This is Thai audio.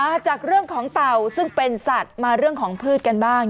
จากเรื่องของเต่าซึ่งเป็นสัตว์มาเรื่องของพืชกันบ้าง